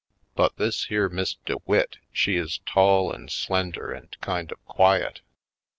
But this here Miss DeWitt she is tall and slender and kind of quiet.